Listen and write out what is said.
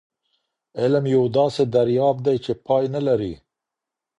علم یو داسې دریاب دی چي پای نه لري.